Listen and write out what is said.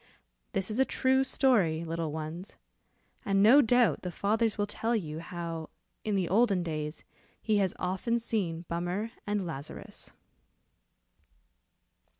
This is a true story, little ones, and no doubt the fathers will tell you, how, in the olden days, he has often seen Bummer and Lazarus.